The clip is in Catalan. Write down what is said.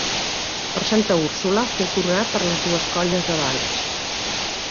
Per Santa Úrsula fou coronat per les dues colles de Valls.